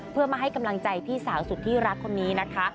เพื่อมาให้กำลังใจพี่สาวสุดที่รักคนนี้นะคะ